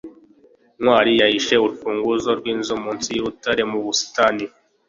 ntwali yahishe urufunguzo rwinzu munsi yurutare mu busitani